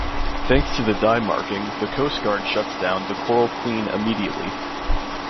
Thanks to the dye marking, the Coast Guard shuts down the "Coral Queen" immediately.